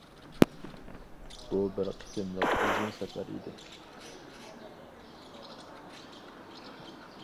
بۇ بىر قېتىملىق ئۇزۇن سەپەر ئىدى.